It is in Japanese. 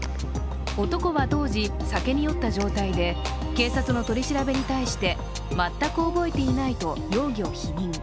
男は、当時、酒に酔った状態で警察の取り調べに対して全く覚えていないと容疑を否認。